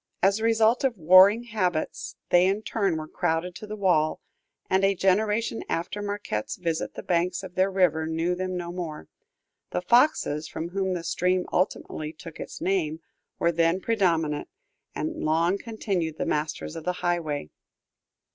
As the result of warring habits, they in turn were crowded to the wall, and a generation after Marquette's visit the banks of their river knew them no more; the Foxes, from whom the stream ultimately took its name, were then predominant, and long continued the masters of the highway.